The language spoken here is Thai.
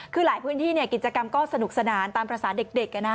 คือหลายพื้นที่กิจกรรมก็สนุกสนานตามภาษาเด็ก